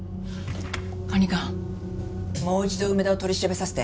管理官もう一度梅田を取り調べさせて。